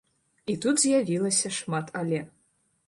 І тут з'явілася шмат але.